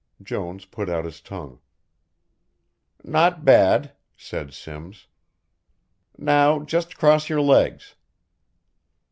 Jones put out his tongue. "Not bad," said Simms. "Now just cross your legs."